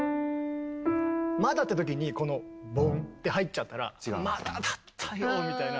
まだって時にこのボンって入っちゃったらまだだったのみたいな。